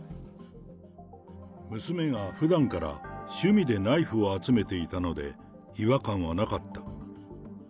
娘がふだんから趣味でナイフを集めていたので違和感はなかった。